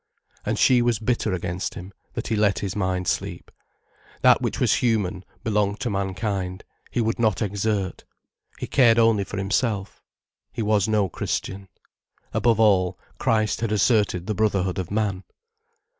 And she was bitter against him, that he let his mind sleep. That which was human, belonged to mankind, he would not exert. He cared only for himself. He was no Christian. Above all, Christ had asserted the brotherhood of man.